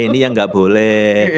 ini yang gak boleh